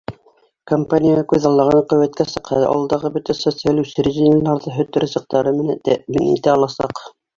Компания күҙалланған ҡеүәткә сыҡһа, ауылдағы бөтә социаль учреждениеларҙы һөт ризыҡтары менән тәьмин итә аласаҡ.